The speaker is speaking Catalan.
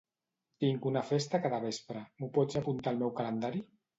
Tinc una festa cada vespre, m'ho pots apuntar al meu calendari?